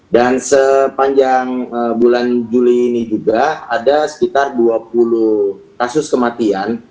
dan sepanjang bulan juli ini juga ada sekitar dua puluh kasus kematian